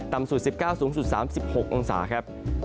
ต่ำสุด๑๙สูงสุด๓๖องศาครับ